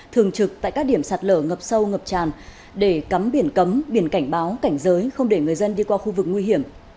thường trực tại các điểm sạt lở ngập sâu ngập tràn để cấm biển cấm biển cảnh báo cảnh giới không để người dân đi qua khu vực nguy hiểm